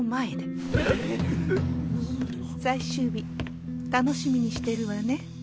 最終日楽しみにしてるわね。